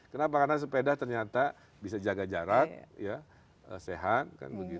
kenapa karena sepeda ternyata bisa jaga jarak sehat